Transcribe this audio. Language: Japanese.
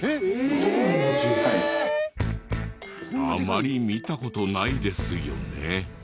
あまり見た事ないですよね。